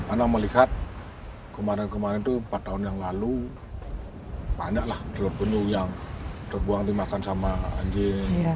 anda melihat kemarin kemarin itu empat tahun yang lalu banyaklah telur penyuh yang terbuang dimakan sama anjing